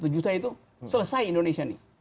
satu juta itu selesai indonesia nih